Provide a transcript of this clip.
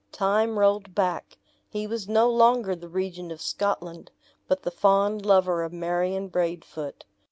Time rolled back; he was no longer the Regent of Scotland, but the fond lover of Marion Braidfoot.